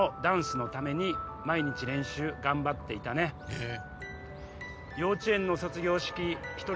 えっ！